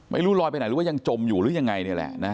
ไม่รู้ลอยไปไหนหรือว่ายังจมอยู่หรือยังไงนี่แหละนะ